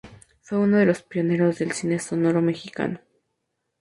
Fue uno de los pioneros del cine sonoro mexicano.